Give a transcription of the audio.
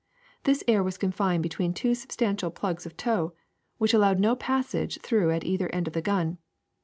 This air was confined between two substantial plugs of tow, which allowed no passage through at either end of the gun.